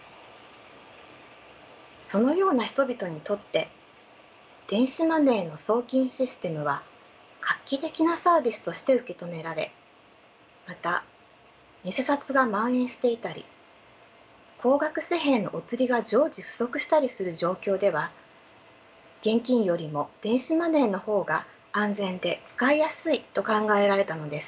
そのような人々にとって電子マネーの送金システムは画期的なサービスとして受け止められまた偽札がまん延していたり高額紙幣のお釣りが常時不足したりする状況では現金よりも電子マネーの方が安全で使いやすいと考えられたのです。